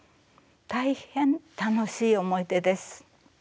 大変楽しい思い出です。